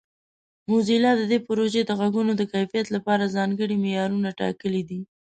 موزیلا د دې پروژې د غږونو د کیفیت لپاره ځانګړي معیارونه ټاکلي دي.